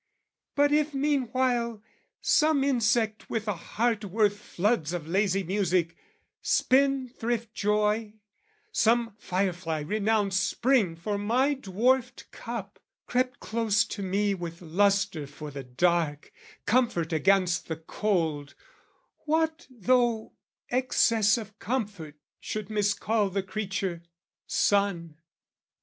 But if meanwhile some insect with a heart Worth floods of lazy music, spendthrift joy Some fire fly renounced Spring for my dwarfed cup, Crept close to me with lustre for the dark, Comfort against the cold, what though excess Of comfort should miscall the creature sun?